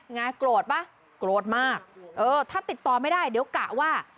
โกรธป่ะโกรธมากเออถ้าติดต่อไม่ได้เดี๋ยวกะว่า